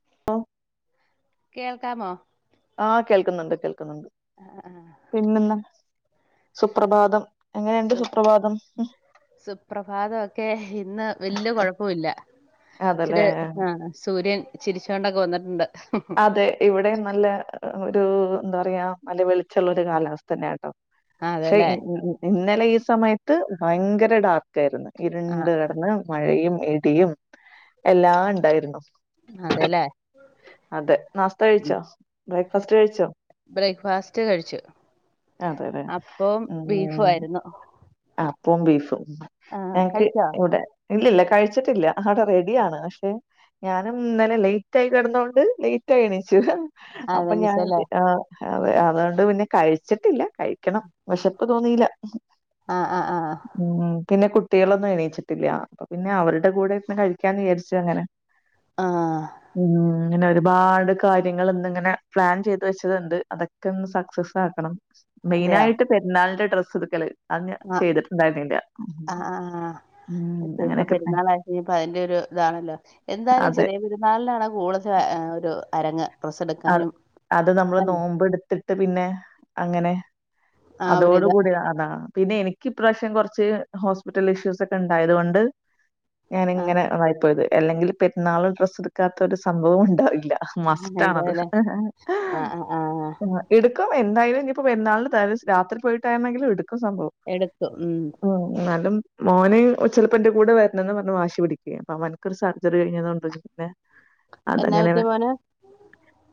[unintelligible] കേൾക്കാമോ ആഹ് കേൾക്കുന്നുണ്ട് കേൾക്കുന്നുണ്ട് ആ ആ. പിന്നെന്നാ സുപ്രഭാതം ണ്ട് സുപ്രഭാതം സുപ്രഭാതൊക്കെ ഇന്ന് വല്ല്യ കൊഴപ്പൊവില്ല അതല്ലേ ച്ചിര് ആഹ് സൂര്യൻ ചിരിച്ചോണ്ടൊക്കെ വന്നിട്ണ്ട് അതെ ഇവടെം നല്ല ഒരു എന്താ പറയാ നല്ല വെളിച്ചള്ള ഒരു കാലാവസ്ഥന്നാണ് ആ ഷെ അതെല്ലേ ഇ ഇ ഇ ഇന്നലെ ഈ സമയത്ത് ഭയ്ങ്കര ഡാർക്കായിര്ന്നു ആ ഇരുണ്ട് കടന്ന് മഴയും ഇടിയും എല്ലാ ഇണ്ടായിര്ന്നു അതെല്ലേ അതെ നാസ്ത കഴിച്ചോ ബ്രേക്ക്ഫാസ്റ്റ് കഴിച്ചോ ബ്രേക്ക്ഫാസ്റ്റ് കഴിച്ചു അതെ അതെ അപ്പോം ബീഫു ആര്ന്നു അപ്പും ബീഫും ഞങ്ങക്ക് കഴിച്ചോ ഇവിടെ ഇല്ലില്ല കഴിച്ചിട്ടില്ല അവിടെ റെഡിയാണ് പക്ഷെ ഞാനും ഇന്നലെ ലേറ്റ് ആയി കെടന്നോണ്ട് ലേറ്റ് ആയി എണിച്ചു ആ അപ്പൊ ഞാൻ വെള്ളിച്ചല്ലേ ആഹ് അതെ അതുകൊണ്ട് പിന്നെ കഴിച്ചിട്ടില്ല കഴിക്കണം വിശപ്പ് തോന്നില്ല ആഹ് ആഹ് ആഹ് ഉം പിന്നെ കുട്ടികളൊന്നും എണീച്ചിട്ടില്ല അപ്പ പിന്നെ അവരുടെ കൂടെ ഇരുന്ന് കഴിക്കാന്ന് വിചാരിച്ചു അങ്ങനെ ആഹ് ഉം ഇങ്ങനെ ഒരുപാട് കാര്യങ്ങൾ ഇന്നിങ്ങനെ പ്ലാൻ ചെയ്ത് വെച്ചതുണ്ട് അതൊക്കെ ഒന്ന് സക്സസ് ആക്കണം മെയിൻ അതെയോ ആയിട്ട് പെരുന്നാളിന്റെ ഡ്രസ്സ് എടുക്കൽ അത് ഞാൻ ആ ചെയ്തിട്ടുണ്ടായിരുന്നില ആ ആ ആ. ഇപ്പൊ പെരുന്നാൾ ആയിട്ട് ഇപ്പതിന്റൊരു ഇതാണല്ലോ എന്താലും ചെറിയ അതെ പെരു ന്നാളിനാണ് കൂടുതൽ ഒരു അരങ്ങ് ഡ്രസ് അത് എടുക്കാനും അത് നമ്മള് അല്ലേ നോമ്പ് എടുത്തി ട്ട് പിന്നെ അങ്ങനെ ആ ഒരു അതോടു ഇത് കൂടി അതാണ് പിന്നെ എനിക്ക് ഇപ്രാവശ്യം കുറച്ച് ഹോസ്പിറ്റൽ ഇഷ്യൂസ് ഒക്കെ ഉണ്ടായത്കൊണ്ട് ഞാൻ ആ ഇങ്ങനെ ആയിപ്പോയത് അല്ലെങ്കിൽ പെരുന്നാളിൻ ഡ്രസ്സ് എടുക്കാത്ത ഒരു സംഭവം ഉണ്ടാവില്ല മസ് റ്റാണത് ഇതല്ലേ ആ ആ ആ ആ. ആഹ് എടുക്കും എന്തായാലും ഇനിപ്പോ പെരുന്നാളിൻ രാത്രി പോയിട്ടായിരുന്നെങ്കിലും എടുക്കും സംഭവം എടുക്കും ഉം ഉം എന്നാലും മോൻ ചെലപ്പം ഇന്റെ കൂടെ വരണംന്ന് പറഞ് വാശി പിടിക്കുയെ അപ്പൊ അവനക്ക്‌ ഒരു സർജറി കഴിഞ്ഞത് കൊണ്ട് നെ എന്നാ പറ്റിയ മോൻ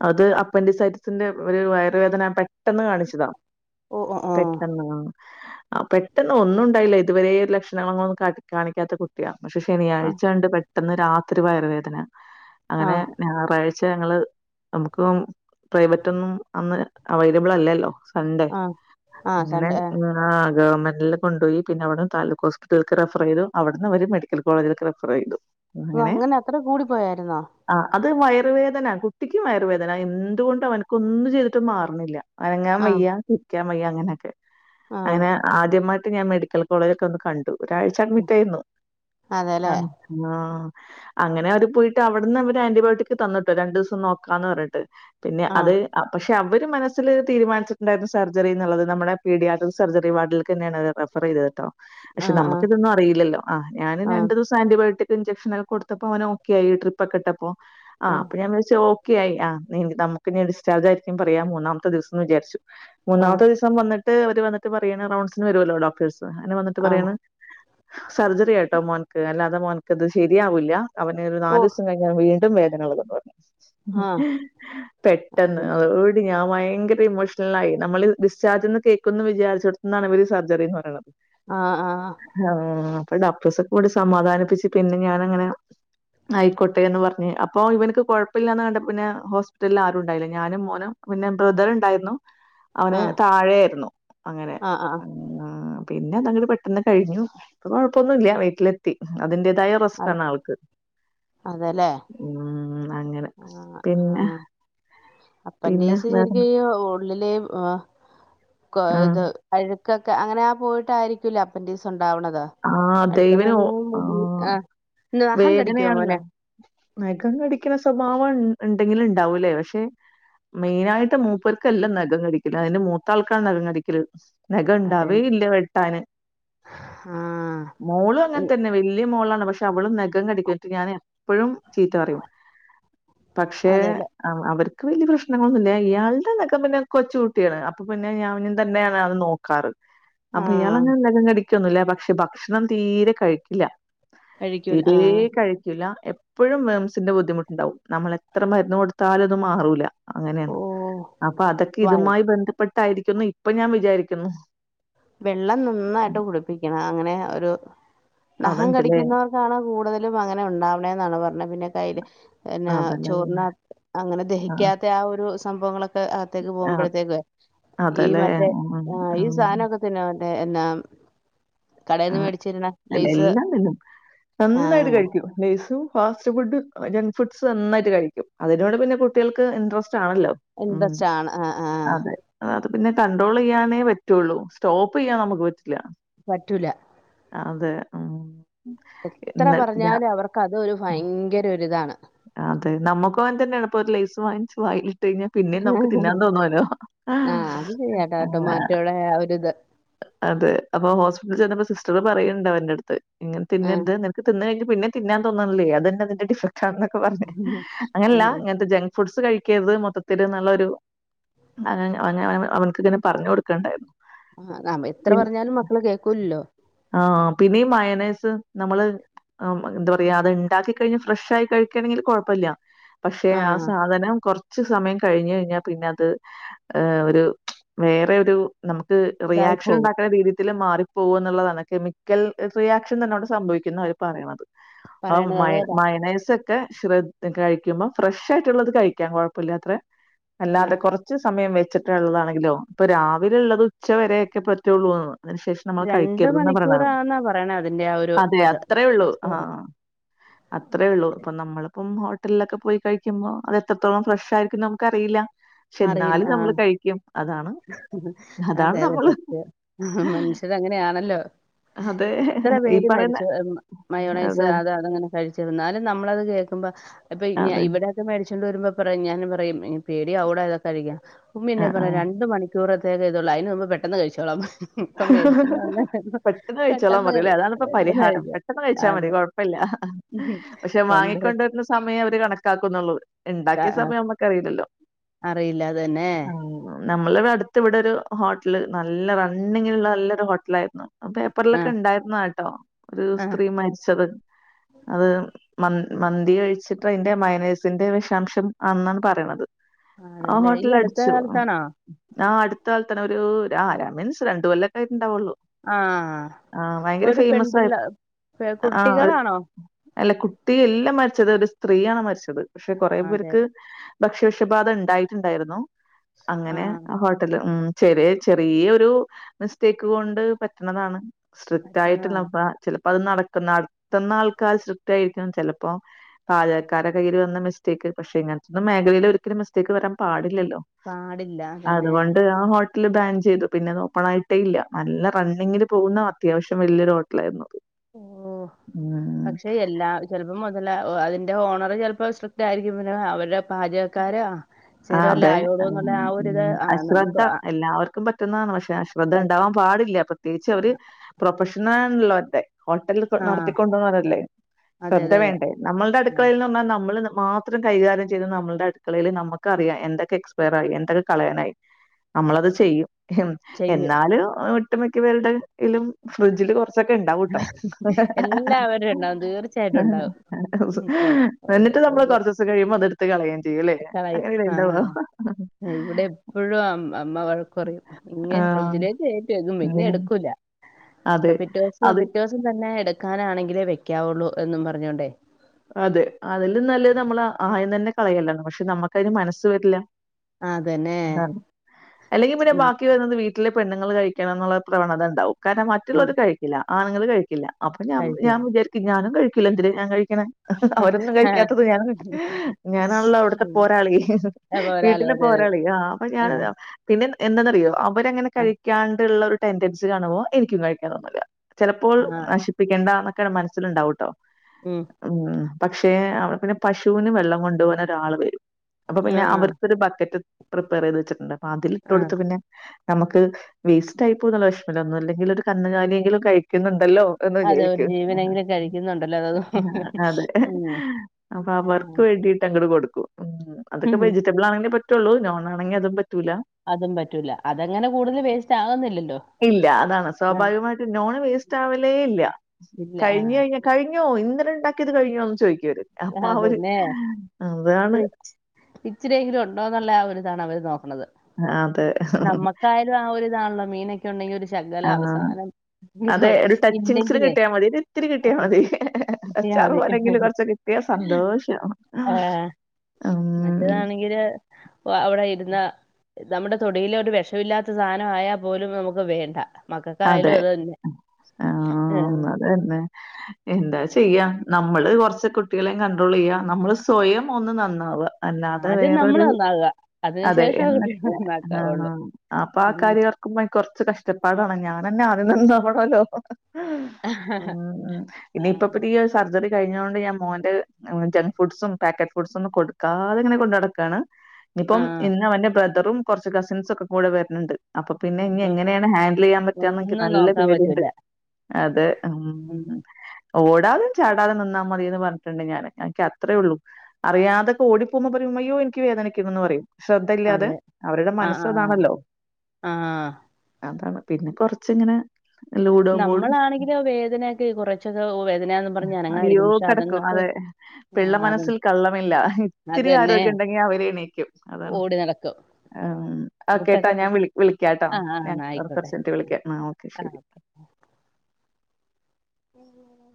അത് അപ്പൻഡിസൈറ്റിസിന്റെ ഒരു വയറുവേദന പെട്ടെന്ന് കാണിച്ചതാ ഓ ഓ ഓ പെട്ടെന്ന് ആഹ് പെട്ടന്ന് ഒന്നും ഉണ്ടായില്ല ഇതുവരെ ലക്ഷണങ്ങൾ ഒന്നും കാണിക്കാത്ത കു ട്ടിയാ പക്ഷെ ആ ശനിയാഴ്ച കണ്ട് പെട്ടെന്ന് രാത്രി വയറുവേദന ആ അങ്ങനെ ഞായറാഴ്ച ഞങ്ങള് നമുക്ക് പ്രൈവറ്റ് ഒന്നും അന്ന് അവൈലബിൾ അല്ലല്ലോ സൺ‌ഡേ ആ ആ അങ്ങനെ സൺഡേ ആ ഉം ആഹ് ഗവൺമെന്റില് കൊണ്ടോയി പിന്നവിടംതാലൂക്ക് ഹോസ്പിറ്റൽക്ക് ‌റഫ്രയ്തു അവിടുന്ന് ഓര് മെഡിക്കൽ കോളേജിൽക്ക് റെഫ്രെയ്തു ഓ അങ്ങനെ അത്ര കൂടി പോയായിരുന്നോ? ആഹ് അത് വയറു വേദന കുട്ടിയ്ക്കു വയറുവേദന എന്തുകൊണ്ട് അവൻക്കൊന്നും ചെയ്തിട്ട് മാറണില്ല ആ അനങ്ങാവയ്യ ഇരിയ്ക്കാൻ വയ്യ അങ്ങനക്കെ ആ അങ്ങനെ ആദ്യമായിട്ട് ഞാൻ മെഡിക്കൽ കോളേജോക്കെ ഒന്ന് കണ്ടു. ഒരാഴ്ച അഡ്മിറ്റായിരുന്നു അതെല്ലേ ആഹ് ആഹ് അങ്ങനെ അവര് പോയിട്ട് അവിട്ന്ന് അവര് ആന്റിബയോട്ടിക് തന്ന്‌ട്ടോ രണ്ടുസം നോക്കാന്ന് പറഞ്ഞിട്ട് പിന്നെ അത് ആ പഷേ അവര് മനസ്സില് തീരുനിച്ചിട്ടുണ്ടായിരുന്നു സർജറി എന്നുള്ളത് നമ്മളേ പീഡിയാട്രിസ് സർജറി വാർഡിൽക്കന്നെയാണ്റഫ് ഫ്രെതട്ടോ ആ ക്ഷെ ആ ആ നമുക്ക്തൊന്നും അറിയില്ലല്ലോ ആഹ് ഞാനും ആ രണ്ടു ദിവസ് ആന്റിബയോട്ടിക് ഇൻചക്ഷനൊക്കെ കൊടുത്തപ്പോ അവനോക്കെ ആയി ട്രിപ്പൊക്കെ ഇട്ടപ്പോ ആഹ് അപ്പ ഞാൻ വിചാരിച്ചു ഓ ക്കെയായി ആഹ് നമക്ക്ഞ്ഞി ഡിസ്ചാർജായിരിക്കും പറയാ മൂന്നാമത്തെ ദിവസംന്ന് വിചാരിച്ചു ആ മൂന്നാമത്തെ ദിസ് സം വന്നിട്ട് അവര് വന്നട്ട് പറയാണ് റൗൺസിന് വരല്ലോ ഡോക്ടേഴസ് അങ്ങനെ വന്നിട്ട് ആ പറയാണ് സർജറിയട്ടോ മോൻക്ക് അല്ലാതെ മോൻക്കത് ശരിയാവുല്ല അവന്ത് ഓ നാലിസം കയി അവന് വീണ്ടും വേദനളകുന്ന് പറഞ്ഞു ആ പെട്ടെന്ന് അ അയ്യയ്യ. വു ഞാ വൈങ്കര ഇമോഷലായി നമ്മള് ഡിസ്ചാർജ്ന്ന് കേക്കന്നു വിചാരിച്ചെടുത്തുന്നാണ് ഇവര് സർജറിന്ന് പറയ്ന്നത് ആഹ് ആഹ് ഹോ പ്പ ഡോക്ടേഴ്സ് കൂടി സമാധാനിപ്പിച്ചിട്ട് പിന്നെ ഞാനങ്ങനെ ആയിക്കോട്ടെന്ന് പറഞ്ഞ് അപ്പൊ ഇവൻക്ക് കൊഴ പ്പല്ലന്ന് കണ്ടപ്പ പിന്നെ ഹോസ്പിറ്റലിൽ ആരുണ്ടായിരുന്നില്ല ഞാനും മോനും പിന്നെ ബ്രദറണ്ടായിരുന്നു ആ അവന് താഴെയായിരുന്നു അങ്ങനെ ആ ആ ആഹ് പിന്നെന്താ അതങ്ങട് പെട്ടെന്ന് കഴിഞ്ഞു ഇപ്പൊ കൊഴപ്പൊന്നുല്ല്യാ വീട്ടിലെത്തി അതിന്റെ ഡയറസ്റ്റ് നാൾക്ക് ലേ ഉംഹ് അങ്ങനെ പിന്നെ പിന്നെ വേറെ ലിലേം ആഹ് കൊയ്ത് അഴുക്കൊക്കെ അങ്ങനാ പോയിട്ടായിരിക്കൂല്ലേ അപ്പൻഡിക്സ് ഉണ്ടാവണത് ആഹ് അതെ അഴുക്കെന്ന് ഇവന് ഓ പറഞ്ഞാ മുടി ആഹ് നഹം കടിയ്ക്കോ വേദനയാണല്ലോ. മോന് നഖം കടിക്കണ സ്വഭാവം ഇണ്ടെങ്കില് ഇണ്ടാവൂലേ പക്ഷെ മെയിനായിട്ട് മൂപ്പർക്കല്ല നഖം കടിക്കല് അതിന്റെ മൂത്താൾക്കാ നഖം കടിക്കല് നഖം ഇണ്ടാവേല്ല വെട്ടാന് ഉംഹ് മോളും അങ്ങൻതന്നെ വെല്ല്യ മോളാണ് പക്ഷെ അവളും നഖം കടിക്കും എന്നിട്ട് ഞാന് ഇപ്പഴും ചീത്തപറിയും പക്ഷേ. അതെല്ലേ ആഹ് അവർക്ക് വലിയ പ്രശ്നങ്ങളൊന്നുല്ല ഇയാൾടെ ഒക്കെ പിന്നെ കൊച്ചുകുട്ട്യാളാ അപ്പൊ പിന്നെ ഞാന് തന്നെയാണ് ആള് നോക്കാറ് അപ്പൊ ആഹ് ഇയാളങ്ങനെ നല്ലനടിയ്ക്കോന്നില്ല പക്ഷെ ഭക്ഷണം തീരെ കഴിക്കില്ല കഴിക്കൂല തീരേ ആഹ് കഴിക്കൂലഎ പ്പോഴും മേംസിന്റെ ബുദ്ധിമുട്ടുണ്ടാവും നമ്മൾ എത്ര മരുന്ന് കൊടുത്താലും അത് മാറൂല അങ്ങനെ ഓ അപ്പൊ അതൊക്കെ വൈ ഇതുമായി ബന്ധപ്പെട്ടായിരിക്കുന്ന് ഇപ്പൊ ഞാൻ വിചാരിക്കുന്നു വെള്ളം നന്നായിട്ട് കുടിപ്പിക്കണം അങ്ങനെ ഒരു നഹം അതുണ്ട്ല്ലേ. കടിക്കുന്നവർക്കാണ് കൂടുതലും അങ്ങനെ ഉണ്ടാവണെന്നാണ് പറഞ്ഞെ പിന്നെ കയ്ല് പിന്നെ അതല്ലേ പിന്നെ. ചോറിനാത്ത് അങ്ങനെ ദഹിക്കാത്ത ആഹ് ഒരു സംഭവങ്ങളൊ ആഹ് അകത്തേക്ക് ആഹ്. പോമ്പഴത്തേക്ക് ഈ അതല്ലേ. മറ്റേ ഉം. ഈ ഉം. സാനമൊ തിനാത്തെ എല്ലാം ആഹ് ലേസ് അതെല്ലാംതിന്നും നന്നായിട്ട് ആഹ് കഴിയ്ക്കും ലെയ്സും ഫാസ്റ്റ്ഫുഡും ജങ്ക്ഫുഡ്സും നന്നായിട്ട് കഴിക്കും അതിനോട് പിന്നെ കുട്ടികൾക്ക് ഇൻട്രസ്റ്റ് ആണല്ലോ ഉംഹ് ഇൻട്രസ്റ്റ് ആണ് ആഹ് ആഹ് അതെ അത് പിന്നെ കണ്ട്രോളെയ്യാനേ പറ്റുള്ളൂ സ്റ്റോപ്പ് ചെയ്യാൻ നമുക്ക് പറ്റില്ല പറ്റൂല അതെ ഉംഹ് എത്ര പറഞ്ഞാലും അവർക്ക് അത് ഒര് ഭയങ്കര ഒരിതാണ് അതെ നമ്മുക്കും അങ്ങനെ തന്നേണ് ഇപ്പൊ ഒരു ലൈസ് വാങ്ങിച്ച് വായി പിന്നെ പിന്നേം നമുക്ക് തിന്നാൻ തോന്നൂലോ ആഹ് അത് ശരിയാട്ടോ ആഹ് ടൊമാറ്റോടെ ആ ഒരിത് അതെ അപ്പൊ ഹോസ്പിറ്റലിൽ ചെന്നപ്പോ സിസ്റ്ററ് പറയ്ണ്ട് അവൻ്റെടുത്ത് ഇങ്ങനെ ആഹ് തിന്നര്ത് നിനക്ക് തിന്ന് കഴിഞ്ഞാ പിന്നെ തിന്നാൻ തോന്ന്ൺല്യേ അതന്നെ അതിന്റെ ഡിഫ റ്റാന്നൊക്കെ പറഞ്ഞ് അങ്ങനല്ല ആഹ് ഇങ്ങൻത്തെ ജെങ്ക്സ് ഫുഡ്സ് കഴിക്കരുത് മൊത്തത്തില് എന്നൊരു അ അവ അവൻക്ക് ഇങ്ങനെ പറഞ്ഞ് കൊടുക്കുണ്ടാരുന്ന് ആഹ് എത്ര പറഞ്ഞാലും മക്കള് കേക്കൂലല്ലോ ആഹ് പിന്നെ ഈ മയണൈസ് നമ്മള് എന്താ പറയാ അത് ഇണ്ടാക്കി കഴിഞ്ഞ് ഫ്രഷായി കഴിക്കണെങ്കി കൊഴപ്പില്ല പക്ഷെ ആഹ് സാധനം കൊറച്ച് റച്ച് സമയം കഴിഞ്ഞ് കഴിഞ്ഞാ പിന്നെ അത് ഏഹ് ഒരു വേറൊരു നമുക്ക് ഇതായി റിയാക്ഷൻ പോകും ഇണ്ടാക്കുന്ന രീതിത്തില് മാറി പോകുവെന്നുള്ളതാണ് കെമിക്കൽ റിയാക്ഷൻ തന്നെ അവിടെ സംഭവിക്കുന്നാ അവര് പറയണത് ആഹ് പറയണത് മ അതേതാ മായോണൈസൊ ക്കെ കഴിക്കുമ്പം ഫ്രഷായിട്ടുള്ളത് കഴിക്കാം കൊഴപ്പില്ലാത്രെ അല്ലാതെ ആഹ് കൊറ ച്ച്‌ സമയം വെച്ചിട്ടുള്ളതാണെങ്കിലോ ഇപ്പൊ രാവിലെ ഇള്ളത് ഉച്ചവരെയൊക്കെ പറ്റൊള്ളൂന്ന് അതിനുശേഷം നമ്മള് രണ്ട് കൈക്കരുതെന്നാ പറയണെ മണിക്കൂറാന്നാ പറയണെ അതിന്റെ ആ ഒരു അതെ ഇത് അത്രേള്ളൂ എക്സ്പയറി ആഹ് അത്രേള്ളൂ ഇപ്പൊ നമ്മള് അപ്പം ഹോട്ടൽലൊക്കെ പോയി കഴിക്കുമ്പോ അത് എത്രത്തോളം ഫ്രഷായിരിക്കും നമുക്കറിയില്ല അറിയില്ല ഇന്നാലും നമ്മള് ആഹ് കഴിക്കും അതാണ് അതെ അതാണ് അതെ നമ്മൾ സത്യം മനുഷ്യര് അങ്ങനെയാണല്ലോ അതെ. എത്ര ഈ പേര് പറയുന്ന മരിച്ചു മയോണൈസ് അതെ, അത് അതങ്ങനെ കഴിച്ചിത് എന്നാലും നമ്മളത് കേൾക്കുമ്പോ ഇപ്പൊ അതെ. ഇവിടെ മേടിച്ചോണ്ട് വെര്മ്പോ പറയും ഞാൻ പറയും പേടിയാവെടാ അതൊക്കെ കഴിക്യാൻ അ ഉമ്മിയെന്നെ ആ. പറയ്ണെ രണ്ട് ഏട്ട് മണിക്കൂറത്തേക്കെ ഇതൊള്ളൂ ഐൻ്റെ മുമ്പേ പെട്ടെന്ന് കഴിച്ചോളാം പെട്ടെന്ന് കഴിച്ചോളാൻ പെട്ടെന്ന് പറയും അഥലെപ്പ പരിഹാരം കഴിച്ചു പെട്ടെന്ന് കഴിച്ചാ അത് മതി കൊഴപ്പല്ല പക്ഷെ കൊണ്ട് വാങ്ങിക്കൊണ്ട് വര്ന്ന സമയെ അവര് കണക്കാക്കുന്നൊള്ളൂ ഇണ്ടാക്കിയ സമയവുമ്പോ കറീലല്ലോ അറീല്ല അതെന്നെ ഉം നമ്മളിവിടെ അട്ത്ത് ഇവിടൊരു ഹോട്ടല് നല്ല റണ്ണിങ്ങില്ള്ള നല്ലൊരു ഹോട്ടലായ്ര്ന്നു അ ആ പേപ്പർലൊക്കെ ഇണ്ടായിര്ന്നാട്ടോ ഒരു ആ സ്ത്രീ മരിച്ചത് അത് മൻ മന്തി കഴിച്ചിട്ട് ഐന്റെ മയൊനൈസിന്റെ വെഷാംശം എന്നാണ് പറയ്ണത് അതെല്ലേ ഈ ആഹോട്ടല് അടുത്ത അടിച്ചു അഹ കാലത്താണോ ആഹ് അട്ത്ത കാലത്താണ് ഒരു രാ മീൻസ് രണ്ട് കൊല്ലക്കായിട്ട്ണ്ടാവൊള്ളൂ ആ ആഹ് ഭയങ്കര ഒരു ഫെയ്മെസായി പെൺപിള്ള പെ- ആഹ് ഒരു കുട്ടികളാണോ അല്ല കുട്ടി എല്ലാ മരിച്ചത് ഒരു സ്ത്രീയാണ് മരിച്ചത് പക്ഷെ കൊറെ അതെ പേർക്ക് ഭക്ഷ്യവിഷബാധ ഇണ്ടായിട്ടുണ്ടായിര്ന്നു അങ്ങനെ ആ ഹോട്ട ൽ ഉം ചെറിയ ചെറിയൊരു മിസ്റ്റേക്ക് കൊണ്ട് പറ്റ്ണതാണ് പറ്റുന്നതാണ് സ്ട്രിക്റ്റായിട്ട്ള്ളപ്പ ചെലപ്പോ അത് നടക്ക്ന്ന നട്ത്ത്ന്ന ആൾക്കാര് സ്ട്രിക്റ്റായിരിക്കണം ചെലപ്പോ പാചക്കാരെ കയ്യില് വന്ന മിസ്റ്റേക്ക് പക്ഷെ ഇങ്ങൻത്തൊന്നും മേഖലയില് ഒരിക്കലും മിസ്റ്റേക്ക് വരാൻ പാടില്ലല്ലോ പാടില്ലാ അതന്നെ രാ ഹോട്ട ല് ബാൻ ചെയ്തു പിന്നെ അത് ഓപ്പണായിട്ടേ ഇല്ല നല്ല റെണ്ണിങ്ങില് പോകുന്ന അത്യാവശ്യം വല്യൊരു ഹോട്ടലായിര്ന്നത് ഓഹ് പക്ഷെ എല്ലാ ചെൽപ്പോം മൊതലാ അതിന്റെ ഓണറ് ചെൽപ്പോ സ്ട്രിക്ടായിരിക്കും പിന്നെ അവര്ടെ ആഹ് അതെ ആയോളൂ എന്നുള്ള ആ ഒരിത് ആ അശ്രദ്ധ നമുക്ക് ആ എല്ലാവർക്കും പ റ്റുന്നാണ് പക്ഷെ അശ്രദ്ധ പ- ഇണ്ടാവാൻ പാടില്ല പ്രത്യേകിച്ച് അവര് പ്രൊഫഷണാൺല്ലോ അതെ ഹോട്ടൽ ആ നടത്തിക്കൊണ്ടോവുന്നവരെല്ലേ അതെ ശ്രദ്ധ അതെ അതെ വേണ്ടേ നമ്മൾടെ ആ അടുക്കളയില്ന്ന് വന്ന നമ്മള് മാ ത്രം കൈകാര്യം ചെയ്ത് നമ്മൾ അടുക്കളയിൽ നമുക്ക അറിയാം എന്തൊക്കെ എക്സ്പയർ ആയി എന്തൊക്കെ കളയാനായി നമ്മളത് ചെയ്യും ഉം ചെയ്യും എന്നാലും ഒട്ടുമിക്കവേട്ടിലും ഫ്രിഡ്ജില് കൊർ ചെക്കെ ഇണ്ടാവൂട്ടോ എല്ലാവരും ഉണ്ടാവും തീർച്ചയായിട്ടും ഉണ്ടാവും ഒരു എന്നിട്ട് നമ്മള് ഒരു കൊറച്ച് ദിവസം കഴിയുമ്പോ അതെടുത്ത് കളയയും ചെയ്യൂല്ലേ കളയും അങ്ങനെല്ലെ ഇണ്ടാവാ ആ ഇവിടെ എപ്പോഴും അമ്മ വഴക്കുറിയും ഇങ്ങനെ ആഹ് ഫ്രിഡ്ജിലേക്ക് കെറ്റി വയ്ക്കും പിന്നെ അങ്ങനെ എടുക്കൂല അതെ. പിറ്റേ ദിവസം അത് പിറ്റേ ദിവസം തന്നെ എടുക്കാനാണെങ്കിലേ വെക്കാവുള്ളൂ എന്നും പറഞ്ഞോണ്ടേ അതെ അതിലും നല്ലത് നമ്മൾ ആയംതന്നെ കളയലാണ് പക്ഷെ നമ്മുക്ക അതിന് മനസ്സ് വരില്ല ആ അതന്നെ ആ അല്ലെങ്കിൽ പിന്നെ ബാക്കി വരുന്നത് വീ ട്ടിൽ പെണ്ണുങ്ങൾ കഴിക്കണം എന്നുള്ള പ്രവണതഇണ്ടാവും കാരണം മറ്റുള്ളത് കഴിക്കില്ല ആണുങ്ങൾ കഴിക്കില്ല അപ്പൊ ഞാ ഞാൻ കഴിക്കരുത് വിജാരിക്കും ഞാനും കഴിക്കില്ല എന്തിനാ ഞാൻ കഴിക്കണേ അവരൊന്നും ആ കഴിക്കാത്തത് ഞാൻ ഞാനാണല്ലോ അവിടത്തെ ഉം. പോരാളി അപ്പൊ ഒരാളെ വീട്ടിലെ അതെ അതെ പോരാളി ആ അപ്പൊ ഞാൻത് പിന്നെ ഏ എന്താന്നറിയോ അവരങ്ങനെ കഴിക്കാണ്ടുള്ള ഒരു ടെൻറൻസി കാണുമ്പോൾ എനിക്കും കഴിക്കാൻ തോനില്ല ചെലപ്പോൾ ആഹ് ആഹ് നശിപ്പിക്കേണ്ട എന്നൊക്കെ മനസ്സിലുണ്ടവുട്ടോ ഉം ഉം പക്ഷേ അടെ പിന്നെ പശുവിന് വെള്ളം കൊണ്ടു പോകാൻ ഒരാൾ വരും അപ്പൊ പിന്നെ ആഹ് അവർക്കൊരു ബക്കറ്റ് പ്രിപ്പയർ ചെയ്ത് വെച്ചിട്ടുണ്ട് അപ്പൊ അതില് ഇട്ട് ആഹ് കൊടുത്ത് പിന്നെ നമുക്ക് വേസ്റ്റ് ആയി പോന്നുല്ല വിഷമില്ല ഒന്നും അല്ലെങ്കിൽ ഒരു കന്നുകാലിയെങ്കിലും കഴിക്കുന്നുണ്ടല്ലോ എന്ന് അതെ ഒരു ജീവനെങ്കനിലെ കഴിക്കുന്നുണ്ടല്ലോ അതത് ആ അതെ ഉം അപ്പൊ വർക്ക് വേണ്ടിട്ട് അങ്ങോട് കൊടുക്കും ഉ അതൊക്കെ ഉം വ റ്റബിൾ ആണെങ്കേ പറ്റുള്ളൂ നോൺാണെങ്ക അതും പറ്റൂല്ല അതും പറ്റൂല അതങ്ങനെ കൂടുതൽ വേസ്റ്റ് ആവുന്നില്ലല്ലോ ഇല്ല അതാണ് സ്വാഭാവികമായിട്ട് നോൺ വേസ്റ്റ് ആവലേ ഇല്ല ഇല്ല കഴിഞ്ഞ ആഹ് കഴിഞ്ഞ. കഴിഞ്ഞോ, ഇന്നലെ ഉണ്ടാക്കിയത് കഴിഞ്ഞോന്ന് ചോദിക്കും അവര് അപ്പൊ അവര് അതന്നെ അതാണ്. ഒരു ഇച്ചി- ഇച്ചിരിയെങ്കിലും ഉണ്ടോ ഉള്ള ആഹ് ഒരു ഇതാണ് അവര് നോക്കണത്. അതെ ഇത് ആഹ് ഒരു ഇതാണല്ലോ, മീനൊക്കെ. ഉണ്ടെങ്കിൽ ഒരു ആ. ശകലം അവസാനം അതെ ഒരു ടച്ചിങ്സിന് ഇല്ലെങ്കിലേ കിട്ടിയാ മതി. ഒരിത്തിരി കിട്ടിയാ ഓക്കേ. മതി. അച്ചാർ കിട്ടിയാവത്. പോലെങ്കിലും കുറച്ച് കിട്ടിയാ സന്തോഷം. ആഹ് ഉം. മറ്റേതാണെങ്കില് വാ അവിടെ ഇരുന്ന. നമ്മുടെ തൊടിയില് ഒരു വിഷമില്ലാത്ത സാധന ആയാൽ പോലും നമുക്ക് വേണ്ട. മക്കൾക്കായാലും അതെ. അത് തന്നെ ആഹ്. തന്നെ എന്താ ചെയ്യാം, നമ്മള് കൊറച്ച് കുട്ടികളെയും കണ്ട്രോൾ ചെയ്യാ നമ്മള് സ്വയം ഒന്ന് നന്നാവുക. അല്ലാതെ ആദ്യം നമ്മള് വേറൊരു നന്നാകുക അതെ അതിനുശേഷം കുട്ടികൾ എന്നിട്ട് ആഹ് നന്നാക്കാവുള്ളൂ അപ്പൊ ആഹ് കാര്യം. ക്കുപ്പോ കൊറച്ച് കഷ്ടപ്പാടാണ്, ഞാൻ തന്നെ ആദ്യം തിന്നു നോക്കണമല്ലോ. ഉം ആ ഇനിയിപ്പ പുതിയ ഈ സർജറി കഴിഞ്ഞൊണ്ട് ഞാൻ മോന്റെ. ജങ്ക് ഫുഡ്സും പാക്കറ്റ് ഫുഡ്സും ഒന്നും കൊടുക്കാതെ അങ്ങനെ കൊണ്ടുനടക്കാണ്. ഇന്ന് ആ ഇപ്പം ഇന്ന് അവന്റെ ബ്രദറും കൊറച്ച് കസിൻസും ഒക്കെ കൂടെ വരുന്നുണ്ട്. അപ്പൊ പിന്നെ ഇനി അപ്പൊ എങ്ങനെയാണ് ഹാന്ൻഡിൽ ചെയ്യൻ പ റ്റുവാ എനിക്ക് ഒന്നും നല്ല നോക്കാൻ പേടിയുണ്ട്, പറ്റൂല അതെ ഉം. ഓടാനും ചാടാനും നിന്നാൽ മതിന്ന് പറഞ്ഞിട്ടുണ്ട് ഞാന് എനിക്ക് അത്രേയുള്ളൂ. അറിയാതെ ഓടിപ്പോകുമ്പോ പറയും, അയ്യോ എനിക്ക് വേദനിക്കുന്ന എന്ന് പറയും. ശ്രദ്ധയില്ലാതെ അതെ അവരുടെ ആ മനസ്സ് ആ അതാണല്ലോ. ആ ആ അതാണ് പിന്നെ കൊറച്ച് ഇങ്ങനെ. നമ്മളാണെങ്കിലും വേദനയൊക്കെ കുറച്ചൊക്കെ വേദനാന്ന് പറഞ്ഞ് അയ്യോ അനങ്ങാതിരിക്കും, പക്ഷേ കിടക്കും അതുങ്ങള്. അതെ പിള്ള മനസ്സിൽ കള്ളമില്ല, ഇത്തിരി അതന്നെ ആരോഗ്യം ഉണ്ടെങ്കിൽ അവരെ എണീക്കും അതാണ്. ഓടി നടക്കും ആഹ് ഓക്കേ കേട്ടോ കൂട്ടൊക്കെ ഞാൻ കൂ- വിളി വിളിക്കാം കേട്ടോ, ആ ആ ഞാൻ എന്നാ കൊറച്ച് ആയിക്കോട്ടെ ശരി കഴിഞ്ഞിട്ട് വിളിക്കാം ആഹ് ഓക്കേ ആ ശരി. പേര് എന്നാ